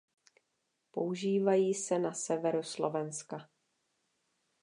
Používají se na severu Slovenska.